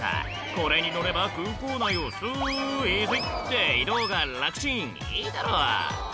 これに乗れば空港内をスイスイって移動が楽ちんいいだろ」